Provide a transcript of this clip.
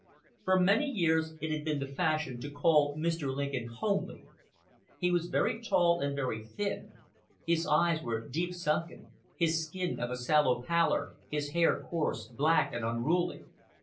For many years it has been the fashion to call Mr. Lincoln homely. He was very tall, and very thin. His eyes were deep sunken, his skin of a sallow pallor, his hair coarse, black, and unruly.